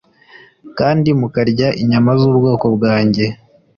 Kandi mukarya inyama z ubwoko bwanjye